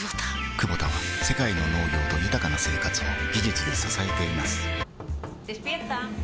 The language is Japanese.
クボタは世界の農業と豊かな生活を技術で支えています起きて。